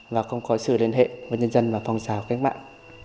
và không có sự liên hệ với nhân dân và phòng xáo cách mạng